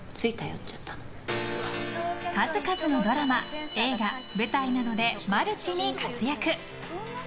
数々のドラマ、映画舞台などでマルチに活躍。